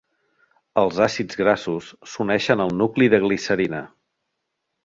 Els àcids grassos s'uneixen al nucli de glicerina.